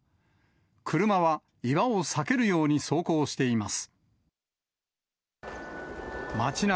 車は岩を避けるように走行しています。